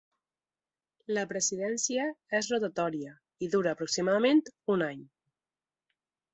La presidència és rotatòria i dura aproximadament un any.